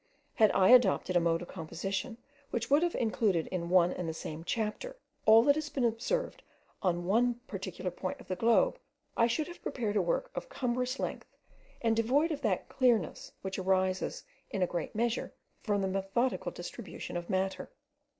Had I adopted a mode of composition which would have included in one and the same chapter all that has been observed on one particular point of the globe, I should have prepared a work of cumbrous length, and devoid of that clearness which arises in a great measure from the methodical distribution of matter.